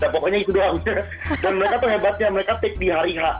pokoknya itu doang dan mereka tuh hebatnya mereka tik di hariha